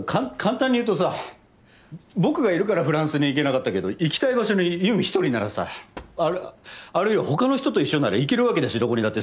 僕がいるからフランスに行けなかったけど行きたい場所に優美一人ならさああるいは他の人と一緒なら行けるわけでしょどこにだって。